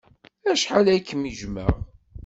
Acḥal ay kem-jjmeɣ!